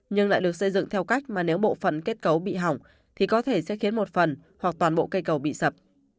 nhưng lại được xây dựng theo cách mà nếu bộ phận kết cấu bị hỏng thì có thể sẽ khiến một phần hoặc toàn bộ cây cầu bị sập